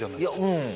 うん。